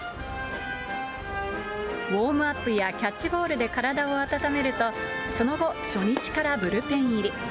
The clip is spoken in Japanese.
ウォームアップやキャッチボールで体を温めると、その後、初日からブルペン入り。